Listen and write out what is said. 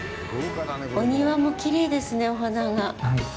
お庭もきれいですね、お花が。